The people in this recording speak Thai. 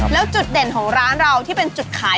แล้วจุดเด่นของร้านเราที่เป็นจุดขาย